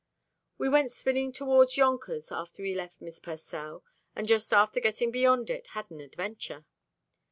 We went spinning toward Yonkers after we left Miss Pursell, and just after getting beyond it, had an adventure.